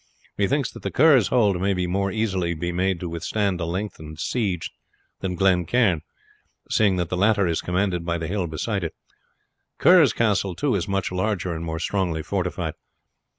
Methinks that the Kerr's hold may more easily be made to withstand a lengthened siege than Glen Cairn, seeing that the latter is commanded by the hill beside it. Kerr's castle, too, is much larger and more strongly fortified.